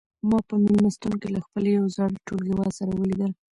ما په مېلمستون کې له خپل یو زاړه ټولګیوال سره ولیدل.